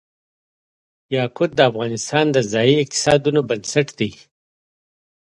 یاقوت د افغانستان د ځایي اقتصادونو بنسټ دی.